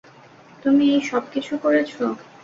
তুমি এই সবকিছুই করেছ।